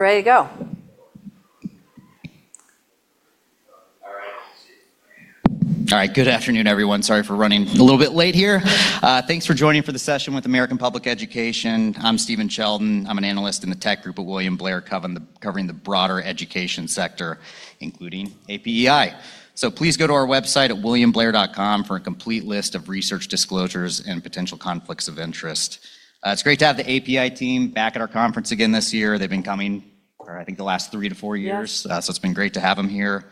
All right. Good afternoon, everyone. Sorry for running a little bit late here. Thanks for joining for the session with American Public Education. I'm Stephen Sheldon. I'm an analyst in the tech group at William Blair, covering the broader education sector, including APEI. Please go to our website at williamblair.com for a complete list of research disclosures and potential conflicts of interest. It's great to have the APEI team back at our conference again this year. They've been coming for, I think, the last three to four years. Yeah. It's been great to have them here.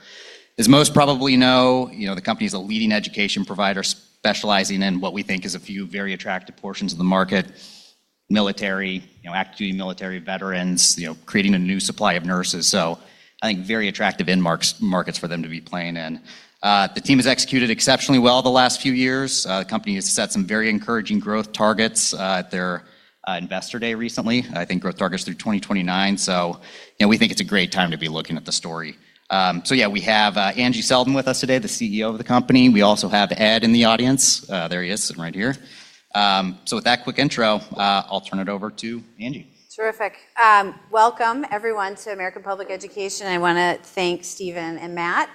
As most probably know, the company is a leading education provider specializing in what we think is a few very attractive portions of the market, military, active-duty military veterans, creating a new supply of nurses. I think very attractive end markets for them to be playing in. The team has executed exceptionally well the last few years. The company has set some very encouraging growth targets at their Investor Day recently, I think growth targets through 2029. We think it's a great time to be looking at the story. We have Angie Selden with us today, the CEO of the company. We also have Ed in the audience. There he is, sitting right here. With that quick intro, I'll turn it over to Angie. Terrific. Welcome, everyone, to American Public Education. I want to thank Stephen and Matt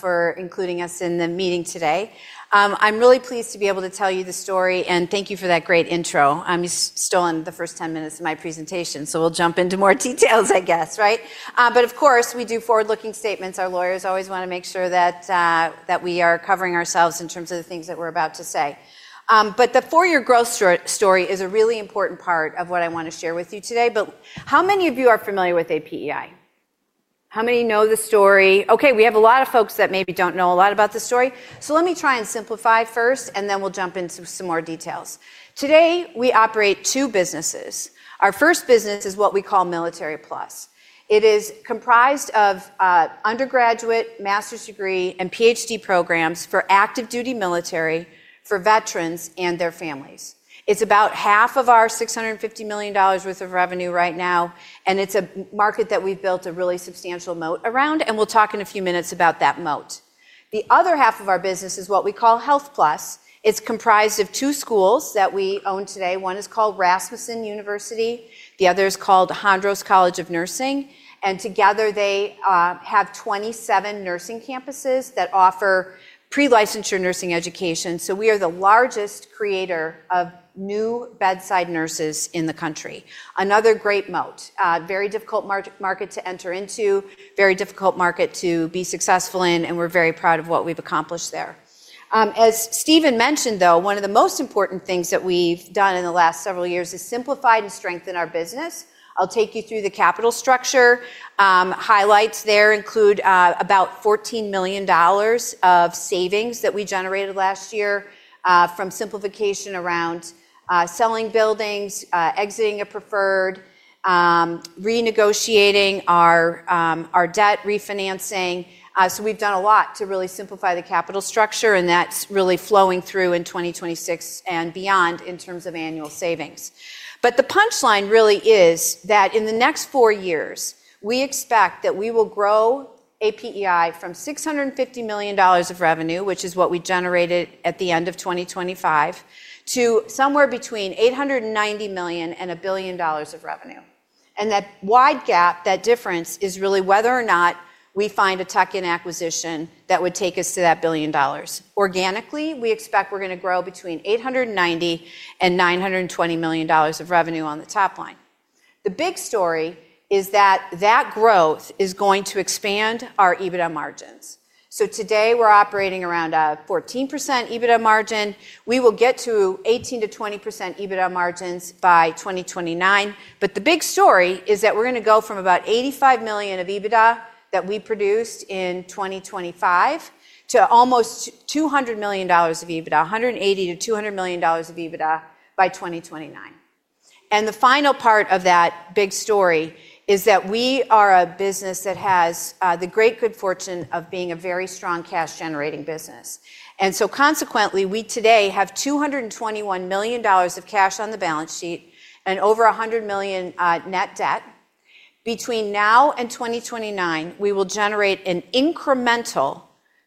for including us in the meeting today. I'm really pleased to be able to tell you the story, and thank you for that great intro. You've stolen the first 10 minutes of my presentation, so we'll jump into more details, I guess, right? Of course, we do forward-looking statements. Our lawyers always want to make sure that we are covering ourselves in terms of the things that we're about to say. The four-year growth story is a really important part of what I want to share with you today. How many of you are familiar with APEI? How many know the story? Okay, we have a lot of folks that maybe don't know a lot about the story, so let me try and simplify first, and then we'll jump into some more details. Today, we operate two businesses. Our first business is what we call Military+. It is comprised of undergraduate, master's degree, and PhD programs for active-duty military, for veterans, and their families. It's about half of our $650 million worth of revenue right now. It's a market that we've built a really substantial moat around, we'll talk in a few minutes about that moat. The other half of our business is what we call Health+. It's comprised of two schools that we own today. One is called Rasmussen University, the other is called Hondros College of Nursing. Together they have 27 nursing campuses that offer pre-licensure nursing education. We are the largest creator of new bedside nurses in the country. Another great moat. A very difficult market to enter into, very difficult market to be successful in, and we're very proud of what we've accomplished there. As Stephen mentioned, though, one of the most important things that we've done in the last several years is simplify and strengthen our business. I'll take you through the capital structure. Highlights there include about $14 million of savings that we generated last year from simplification around selling buildings, exiting a preferred, renegotiating our debt refinancing. We've done a lot to really simplify the capital structure, and that's really flowing through in 2026 and beyond in terms of annual savings. The punchline really is that in the next four years, we expect that we will grow APEI from $650 million of revenue, which is what we generated at the end of 2025, to somewhere between $890 million and $1 billion of revenue. That wide gap, that difference, is really whether or not we find a tuck-in acquisition that would take us to that $1 billion. Organically, we expect we're going to grow between $890 million and $920 million of revenue on the top line. The big story is that that growth is going to expand our EBITDA margins. Today, we're operating around a 14% EBITDA margin. We will get to 18%-20% EBITDA margins by 2029. The big story is that we're going to go from about $85 million of EBITDA that we produced in 2025 to almost $200 million of EBITDA, $180 million-$200 million of EBITDA by 2029. The final part of that big story is that we are a business that has the great good fortune of being a very strong cash-generating business. Consequently, we today have $221 million of cash on the balance sheet and over $100 million net debt. Between now and 2029, we will generate an incremental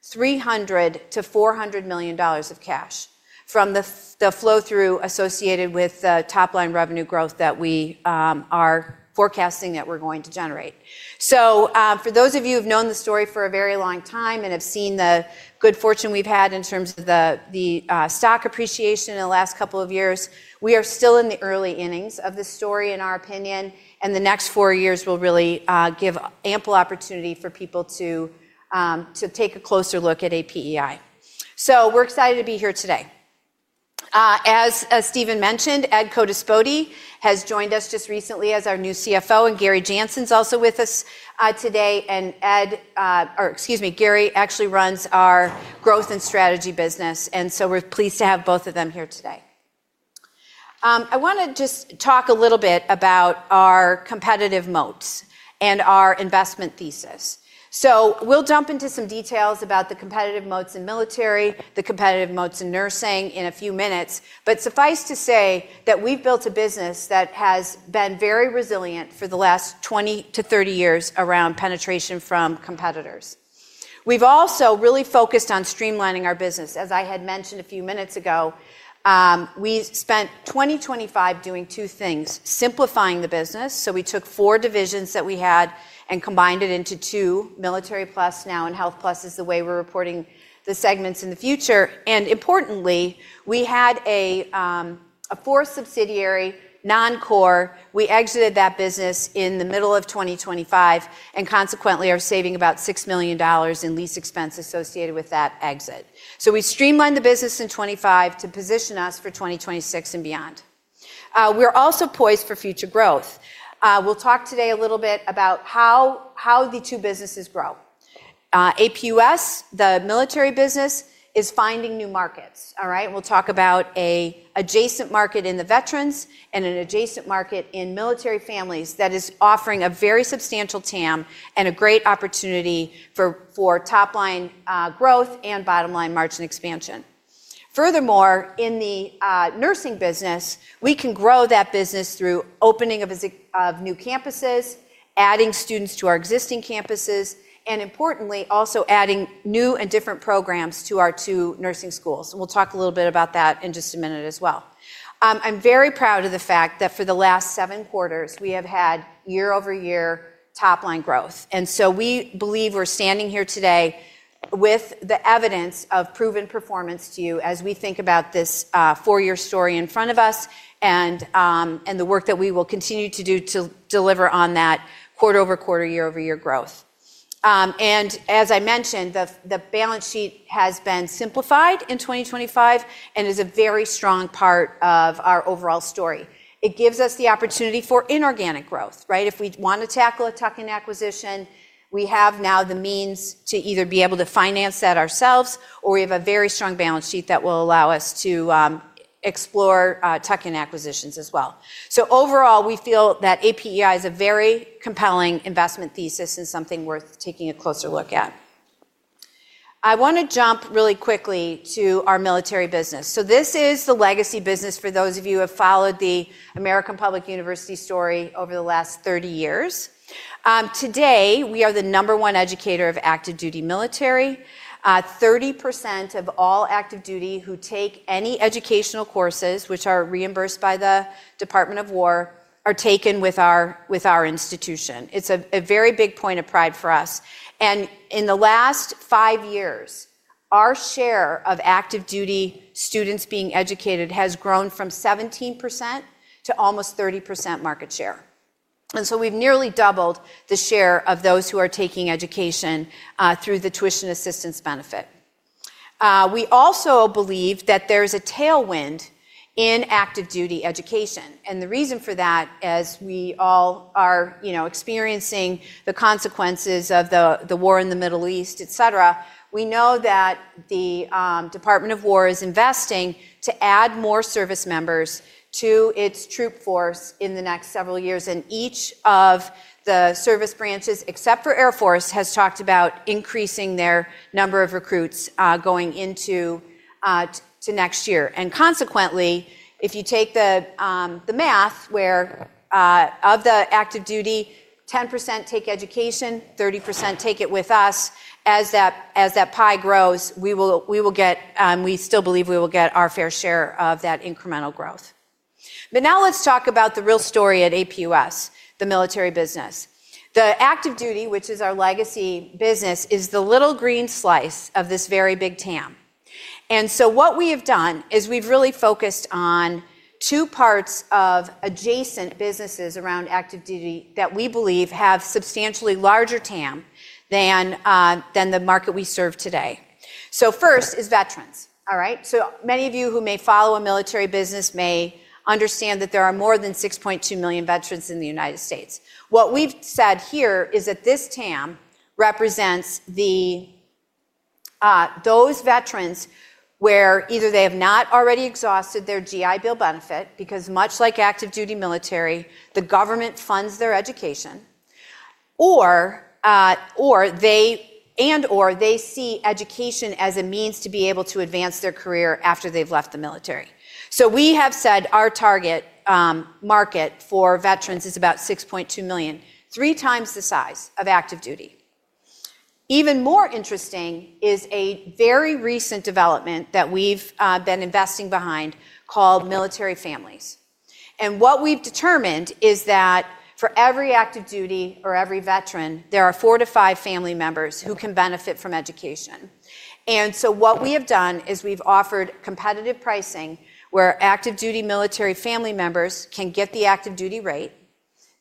$300 million-$400 million of cash from the flow-through associated with the top-line revenue growth that we are forecasting that we're going to generate. For those of you who've known the story for a very long time and have seen the good fortune we've had in terms of the stock appreciation in the last couple of years, we are still in the early innings of the story, in our opinion, and the next four years will really give ample opportunity for people to take a closer look at APEI. We're excited to be here today. As Stephen mentioned, Ed Codispoti has joined us just recently as our new CFO, and Gary Janson's also with us today. Ed-- Or excuse me, Gary actually runs our growth and strategy business, so we're pleased to have both of them here today. I want to just talk a little bit about our competitive moats and our investment thesis. We'll jump into some details about the competitive moats in military, the competitive moats in nursing in a few minutes. Suffice to say that we've built a business that has been very resilient for the last 20-30 years around penetration from competitors. We've also really focused on streamlining our business. As I had mentioned a few minutes ago, we spent 2025 doing two things, simplifying the business. We took four divisions that we had and combined it into two, Military+ now and Health+ is the way we're reporting the segments in the future. Importantly, we had a fourth subsidiary, non-core. We exited that business in the middle of 2025, consequently are saving about $6 million in lease expense associated with that exit. We streamlined the business in 2025 to position us for 2026 and beyond. We're also poised for future growth. We'll talk today a little bit about how the two businesses grow. APUS, the military business, is finding new markets. All right? We'll talk about an adjacent market in the veterans and an adjacent market in military families that is offering a very substantial TAM and a great opportunity for top-line growth and bottom-line margin expansion. Furthermore, in the nursing business, we can grow that business through opening of new campuses, adding students to our existing campuses, and importantly, also adding new and different programs to our two nursing schools. We'll talk a little bit about that in just a minute as well. I'm very proud of the fact that for the last seven quarters, we have had year-over-year top-line growth. We believe we're standing here today with the evidence of proven performance to you as we think about this four-year story in front of us and the work that we will continue to do to deliver on that quarter-over-quarter, year-over-year growth. As I mentioned, the balance sheet has been simplified in 2025 and is a very strong part of our overall story. It gives us the opportunity for inorganic growth. If we want to tackle a tuck-in acquisition, we have now the means to either be able to finance that ourselves, or we have a very strong balance sheet that will allow us to explore tuck-in acquisitions as well. Overall, we feel that APEI is a very compelling investment thesis and something worth taking a closer look at. I want to jump really quickly to our military business. This is the legacy business for those of you who have followed the American Public University story over the last 30 years. Today, we are the number one educator of active-duty military. 30% of all active-duty who take any educational courses, which are reimbursed by the Department of War, are taken with our institution. It's a very big point of pride for us. In the last five years, our share of active-duty students being educated has grown from 17% to almost 30% market share. We've nearly doubled the share of those who are taking education through the tuition assistance benefit. We also believe that there's a tailwind in active-duty education. The reason for that, as we all are experiencing the consequences of the war in the Middle East, et cetera, we know that the Department of War is investing to add more service members to its troop force in the next several years. Each of the service branches, except for Air Force, has talked about increasing their number of recruits going into next year. Consequently, if you take the math where of the active-duty, 10% take education, 30% take it with us, as that pie grows, we still believe we will get our fair share of that incremental growth. Now let's talk about the real story at APUS, the military business. The active-duty, which is our legacy business, is the little green slice of this very big TAM. What we have done is we've really focused on two parts of adjacent businesses around active-duty that we believe have substantially larger TAM than the market we serve today. First is veterans. All right. Many of you who may follow a military business may understand that there are more than 6.2 million veterans in the United States. What we've said here is that this TAM represents those veterans where either they have not already exhausted their GI Bill benefit, because much like active-duty military, the government funds their education, and/or they see education as a means to be able to advance their career after they've left the military. We have said our target market for veterans is about 6.2 million, three times the size of active-duty. Even more interesting is a very recent development that we've been investing behind called military families. What we've determined is that for every active-duty or every veteran, there are four to five family members who can benefit from education. What we have done is we've offered competitive pricing where active-duty military family members can get the active-duty rate.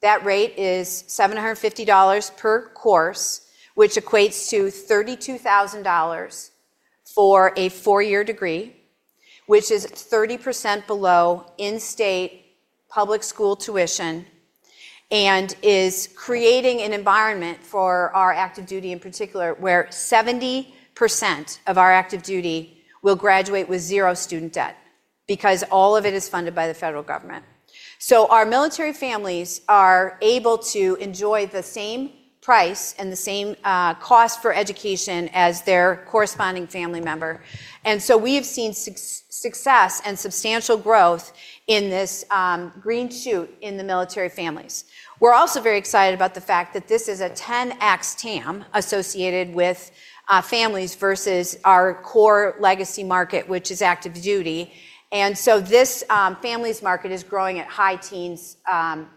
That rate is $750 per course, which equates to $32,000 for a four-year degree, which is 30% below in-state public school tuition and is creating an environment for our active-duty, in particular, where 70% of our active-duty will graduate with zero student debt because all of it is funded by the federal government. Our military families are able to enjoy the same price and the same cost for education as their corresponding family member. We have seen success and substantial growth in this green shoot in the military families. We're also very excited about the fact that this is a 10x TAM associated with families versus our core legacy market, which is active-duty. This families market is growing at high teens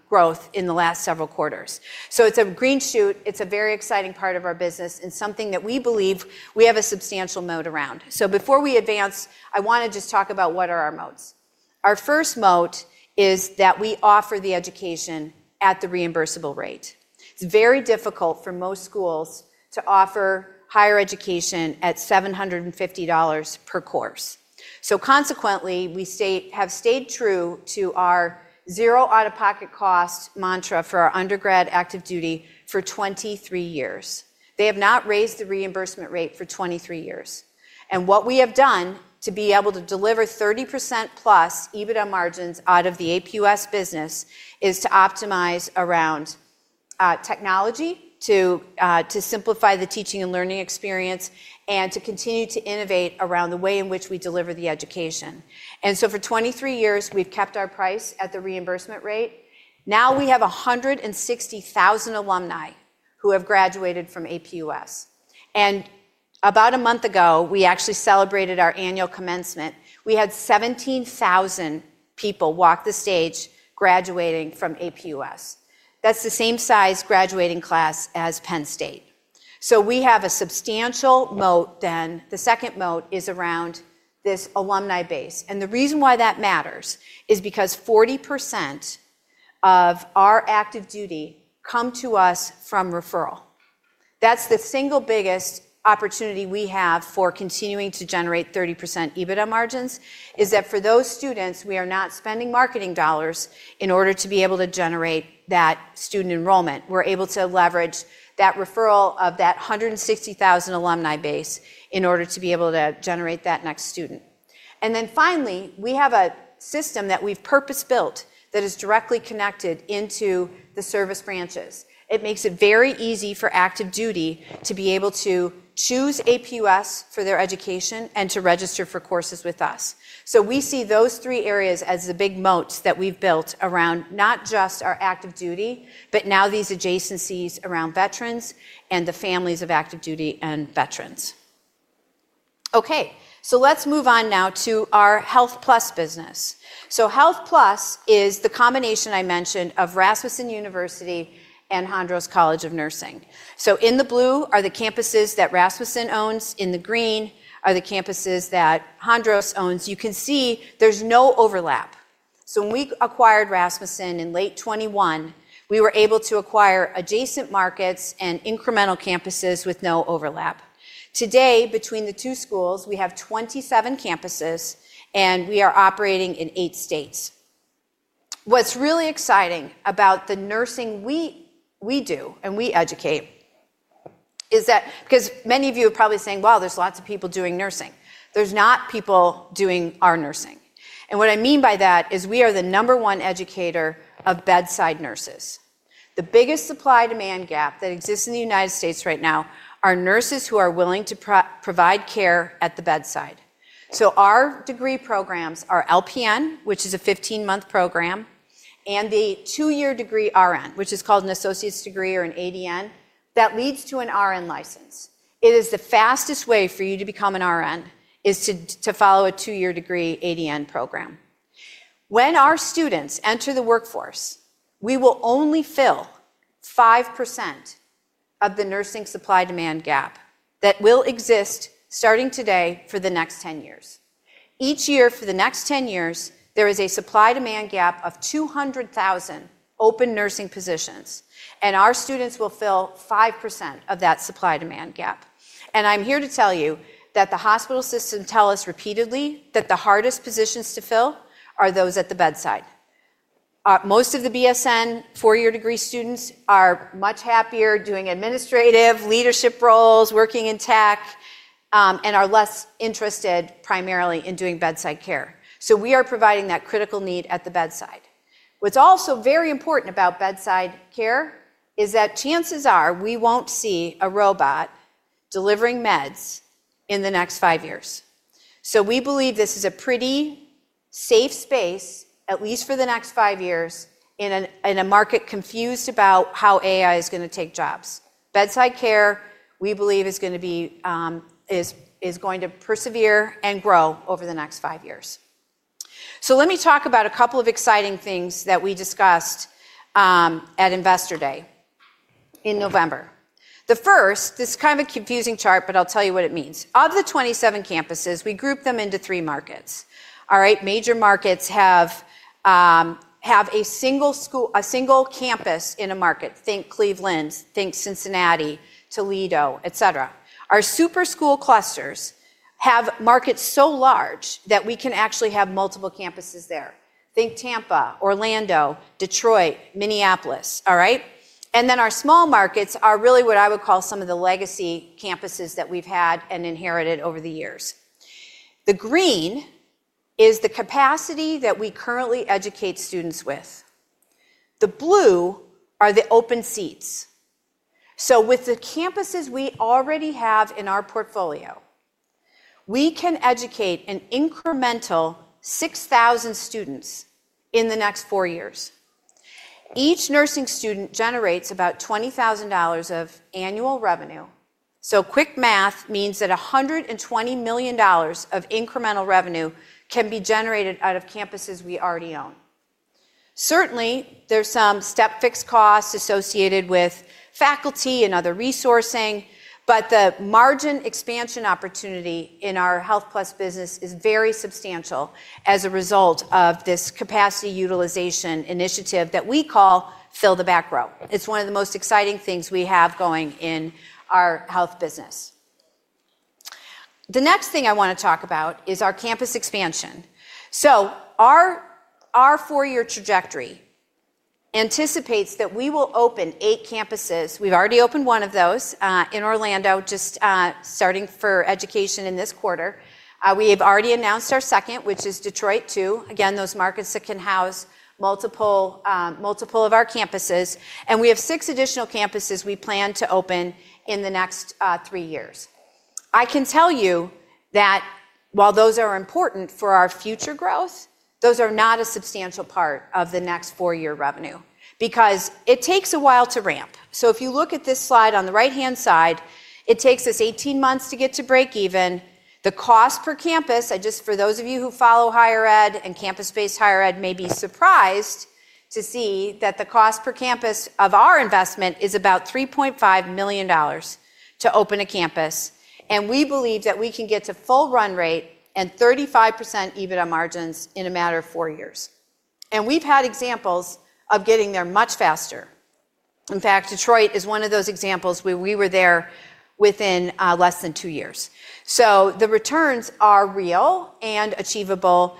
growth in the last several quarters. It's a green shoot. It's a very exciting part of our business and something that we believe we have a substantial moat around. Before we advance, I want to just talk about what are our moats. Our first moat is that we offer the education at the reimbursable rate. It's very difficult for most schools to offer higher education at $750 per course. Consequently, we have stayed true to our zero out-of-pocket cost mantra for our undergrad active-duty for 23 years. They have not raised the reimbursement rate for 23 years. What we have done to be able to deliver 30%+ EBITDA margins out of the APUS business is to optimize around technology to simplify the teaching and learning experience, and to continue to innovate around the way in which we deliver the education. For 23 years, we've kept our price at the reimbursement rate. Now we have 160,000 alumni who have graduated from APUS. About a month ago, we actually celebrated our annual commencement. We had 17,000 people walk the stage graduating from APUS. That's the same size graduating class as Penn State. We have a substantial moat then. The second moat is around this alumni base. The reason why that matters is because 40% of our active-duty come to us from referral. That's the single biggest opportunity we have for continuing to generate 30% EBITDA margins is that for those students, we are not spending marketing dollars in order to be able to generate that student enrollment. We're able to leverage that referral of that 160,000 alumni base in order to be able to generate that next student. Finally, we have a system that we've purpose-built that is directly connected into the service branches. It makes it very easy for active-duty to be able to choose APUS for their education and to register for courses with us. We see those three areas as the big moats that we've built around not just our active-duty, but now these adjacencies around veterans and the families of active-duty and veterans. Let's move on now to our Health+ business. Health+ is the combination I mentioned of Rasmussen University and Hondros College of Nursing. In the blue are the campuses that Rasmussen owns. In the green are the campuses that Hondros owns. You can see there's no overlap. When we acquired Rasmussen in late 2021, we were able to acquire adjacent markets and incremental campuses with no overlap. Today, between the two schools, we have 27 campuses and we are operating in eight states. What's really exciting about the nursing we do and we educate. Because many of you are probably saying, well, there's lots of people doing nursing. There's not people doing our nursing. What I mean by that is we are the number one educator of bedside nurses. The biggest supply-demand gap that exists in the United States. right now are nurses who are willing to provide care at the bedside. Our degree programs are LPN, which is a 15-month program, and the two-year degree RN, which is called an associate's degree or an ADN, that leads to an RN license. It is the fastest way for you to become an RN is to follow a two-year degree ADN program. When our students enter the workforce, we will only fill 5% of the nursing supply-demand gap that will exist starting today for the next 10 years. Each year for the next 10 years, there is a supply-demand gap of 200,000 open nursing positions, and our students will fill 5% of that supply-demand gap. I'm here to tell you that the hospital system tell us repeatedly that the hardest positions to fill are those at the bedside. Most of the BSN four-year degree students are much happier doing administrative leadership roles, working in tech, and are less interested primarily in doing bedside care. We are providing that critical need at the bedside. What's also very important about bedside care is that chances are we won't see a robot delivering meds in the next five years. We believe this is a pretty safe space, at least for the next five years, in a market confused about how AI is going to take jobs. Bedside care, we believe, is going to persevere and grow over the next five years. Let me talk about a couple of exciting things that we discussed at Investor Day in November. First, this is kind of a confusing chart, but I'll tell you what it means. Of the 27 campuses, we group them into three markets. All right. Major markets have a single campus in a market. Think Cleveland, think Cincinnati, Toledo, et cetera. Our super school clusters have markets so large that we can actually have multiple campuses there. Think Tampa, Orlando, Detroit, Minneapolis. All right? Our small markets are really what I would call some of the legacy campuses that we've had and inherited over the years. The green is the capacity that we currently educate students with. The blue are the open seats. With the campuses we already have in our portfolio, we can educate an incremental 6,000 students in the next four years. Each nursing student generates about $20,000 of annual revenue. Quick math means that $120 million of incremental revenue can be generated out of campuses we already own. Certainly, there's some step-fixed costs associated with faculty and other resourcing, but the margin expansion opportunity in our Health+ business is very substantial as a result of this capacity utilization initiative that we call Fill the Back Row. It's one of the most exciting things we have going in our health business. The next thing I want to talk about is our campus expansion. Our four-year trajectory anticipates that we will open eight campuses. We've already opened one of those, in Orlando, just starting for education in this quarter. We have already announced our second, which is Detroit too. Again, those markets that can house multiple of our campuses, and we have six additional campuses we plan to open in the next three years. I can tell you that while those are important for our future growth, those are not a substantial part of the next four-year revenue, because it takes a while to ramp. If you look at this slide on the right-hand side, it takes us 18 months to get to break even. The cost per campus, for those of you who follow higher ed and campus-based higher ed, may be surprised to see that the cost per campus of our investment is about $3.5 million to open a campus. We believe that we can get to full run rate and 35% EBITDA margins in a matter of four years. We've had examples of getting there much faster. In fact, Detroit is one of those examples where we were there within less than two years. The returns are real and achievable.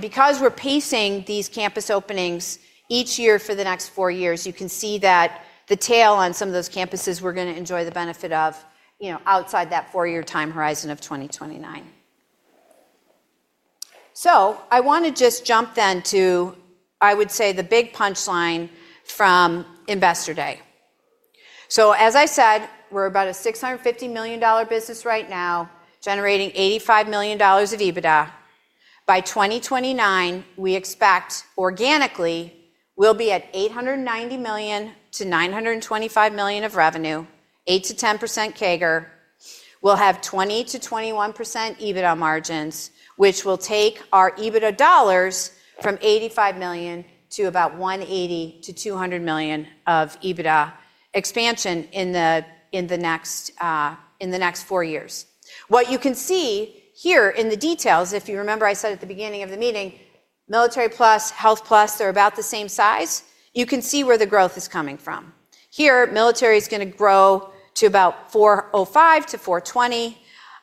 Because we're pacing these campus openings each year for the next four years, you can see that the tail on some of those campuses we're going to enjoy the benefit of outside that four-year time horizon of 2029. I want to just jump then to, I would say, the big punchline from Investor Day. As I said, we're about a $650 million business right now, generating $85 million of EBITDA. By 2029, we expect organically, we'll be at $890 million-$925 million of revenue, 8%-10% CAGR. We'll have 20%-21% EBITDA margins, which will take our EBITDA dollars from $85 million to about $180 million-$200 million of EBITDA expansion in the next four years. What you can see here in the details, if you remember I said at the beginning of the meeting, Military+, Health+, they're about the same size. You can see where the growth is coming from. Here, Military+ is going to grow to about 405-420.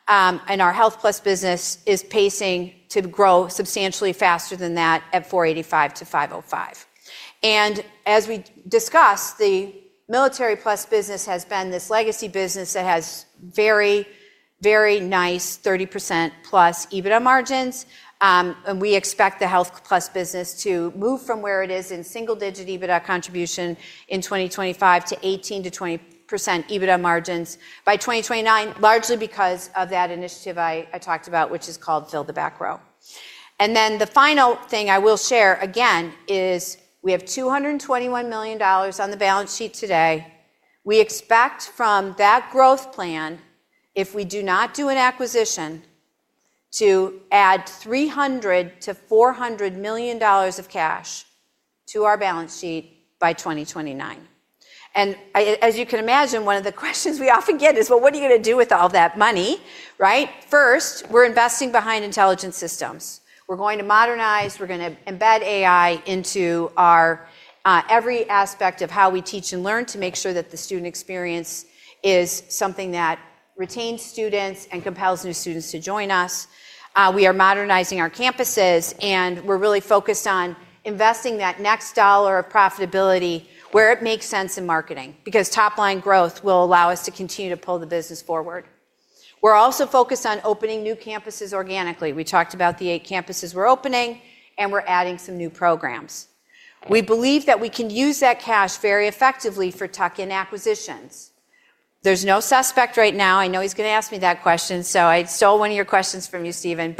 Our Health+ business is pacing to grow substantially faster than that at 485-505. As we discussed, the Military+ business has been this legacy business that has very, very nice 30%+ EBITDA margins. We expect the Health+ business to move from where it is in single-digit EBITDA contribution in 2025 to 18%-20% EBITDA margins by 2029, largely because of that initiative I talked about, which is called Fill the Back Row. The final thing I will share, again, is we have $221 million on the balance sheet today. We expect from that growth plan, if we do not do an acquisition, to add $300 million-$400 million of cash to our balance sheet by 2029. As you can imagine, one of the questions we often get is, well, what are you going to do with all that money? Right? First, we're investing behind intelligent systems. We're going to modernize, we're going to embed AI into our every aspect of how we teach and learn to make sure that the student experience is something that retains students and compels new students to join us. We are modernizing our campuses, and we're really focused on investing that next dollar of profitability where it makes sense in marketing, because top-line growth will allow us to continue to pull the business forward. We're also focused on opening new campuses organically. We talked about the eight campuses we're opening, and we're adding some new programs. We believe that we can use that cash very effectively for tuck-in acquisitions. There's no prospect right now. I know he's going to ask me that question. I stole one of your questions from you, Stephen.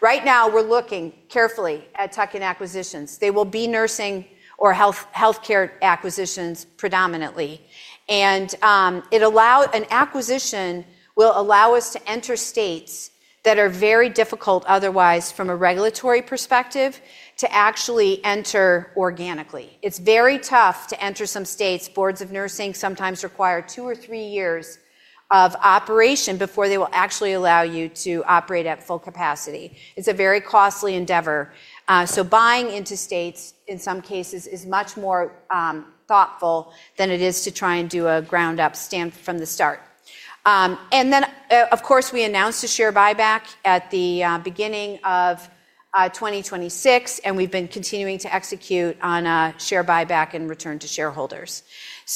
Right now, we're looking carefully at tuck-in acquisitions. They will be nursing or healthcare acquisitions predominantly. An acquisition will allow us to enter states that are very difficult otherwise from a regulatory perspective to actually enter organically. It's very tough to enter some states. Boards of nursing sometimes require two or three years of operation before they will actually allow you to operate at full capacity. It's a very costly endeavor. Buying into states, in some cases, is much more thoughtful than it is to try and do a ground up stand from the start. Of course, we announced a share buyback at the beginning of 2026, and we've been continuing to execute on a share buyback and return to shareholders.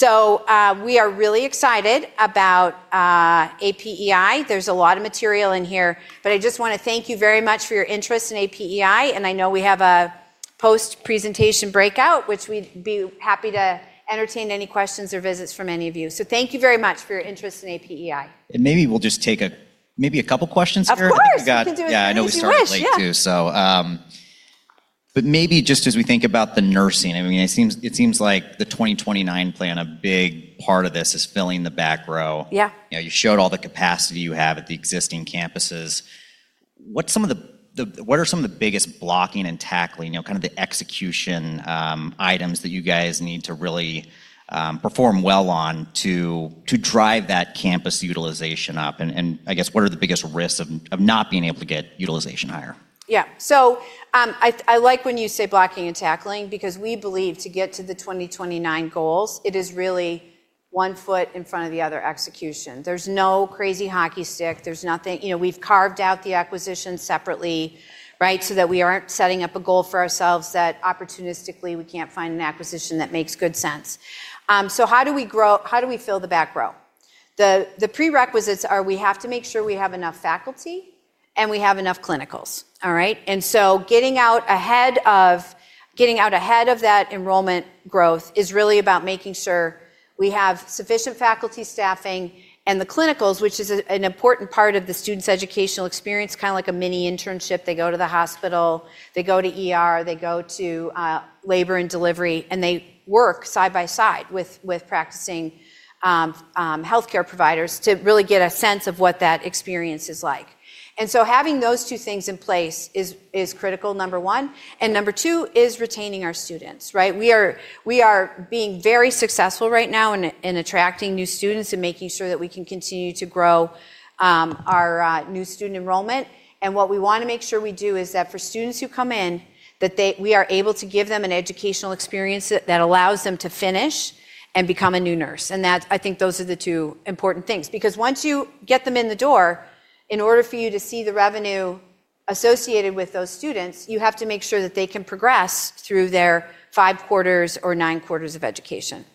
We are really excited about APEI. There's a lot of material in here. I just want to thank you very much for your interest in APEI, and I know we have a post-presentation breakout, which we'd be happy to entertain any questions or visits from any of you. Thank you very much for your interest in APEI. Maybe we'll just take maybe a couple questions here. Of course. We've got- We can do as many as you wish, yeah. Yeah, I know we started late too. Maybe just as we think about the nursing, it seems like the 2029 plan, a big part of this is Filling the Back Row. Yeah. You showed all the capacity you have at the existing campuses. What are some of the biggest blocking and tackling, kind of the execution items that you guys need to really perform well on to drive that campus utilization up? I guess, what are the biggest risks of not being able to get utilization higher? Yeah. I like when you say blocking and tackling, because we believe to get to the 2029 goals, it is really one foot in front of the other execution. There's no crazy hockey stick. We've carved out the acquisition separately, so that we aren't setting up a goal for ourselves that opportunistically we can't find an acquisition that makes good sense. How do we Fill the Back Row? The prerequisites are we have to make sure we have enough faculty and we have enough clinicals. All right? Getting out ahead of that enrollment growth is really about making sure we have sufficient faculty staffing and the clinicals, which is an important part of the student's educational experience, kind of like a mini-internship. They go to the hospital, they go to ER, they go to labor and delivery, they work side by side with practicing healthcare providers to really get a sense of what that experience is like. Having those two things in place is critical, number one, and number two is retaining our students. We are being very successful right now in attracting new students and making sure that we can continue to grow our new student enrollment. What we want to make sure we do is that for students who come in, that we are able to give them an educational experience that allows them to finish and become a new nurse. I think those are the two important things. Once you get them in the door, in order for you to see the revenue associated with those students, you have to make sure that they can progress through their five quarters or nine quarters of education.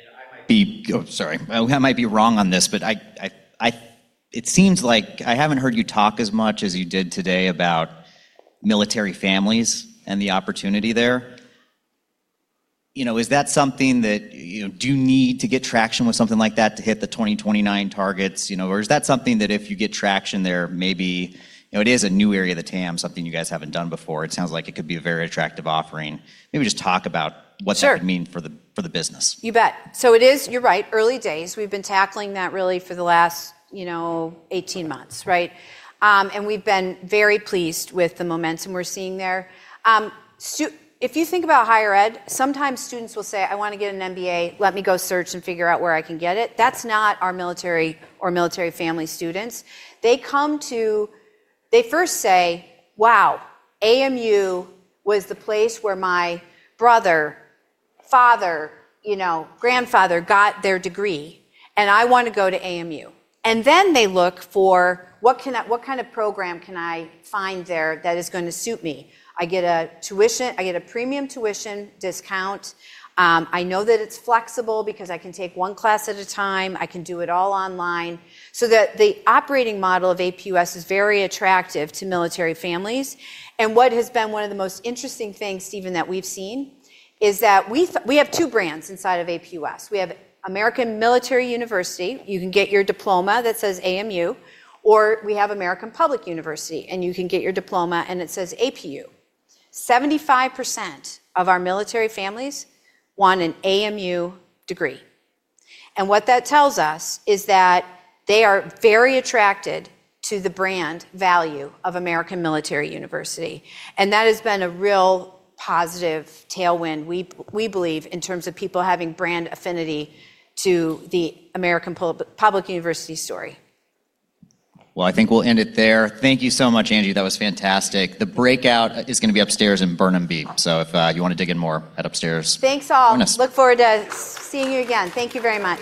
I might be wrong on this, but it seems like I haven't heard you talk as much as you did today about military families and the opportunity there. Do you need to get traction with something like that to hit the 2029 targets, or is that something that if you get traction there, maybe, it is a new area of the TAM, something you guys haven't done before. It sounds like it could be a very attractive offering. Maybe just talk about what- Sure. -that would mean for the business. You bet. It is, you're right, early days. We've been tackling that really for the last 18 months. We've been very pleased with the momentum we're seeing there. If you think about higher ed, sometimes students will say, I want to get an MBA. Let me go search and figure out where I can get it. That's not our military or military family students. They first say, wow, AMU was the place where my brother, father, grandfather got their degree, and I want to go to AMU. Then they look for, what kind of program can I find there that is going to suit me? I get a premium tuition discount. I know that it's flexible because I can take one class at a time. I can do it all online. That the operating model of APUS is very attractive to military families. What has been one of the most interesting things, Stephen, that we've seen, is that we have two brands inside of APUS. We have American Military University. You can get your diploma that says AMU, or we have American Public University, and you can get your diploma, and it says APU. 75% of our military families want an AMU degree. What that tells us is that they are very attracted to the brand value of American Military University, and that has been a real positive tailwind, we believe, in terms of people having brand affinity to the American Public University story. Well, I think we'll end it there. Thank you so much, Angie. That was fantastic. The breakout is going to be upstairs in Burnham B. If you want to dig in more, head upstairs. Thanks, all. Join us. Look forward to seeing you again. Thank you very much.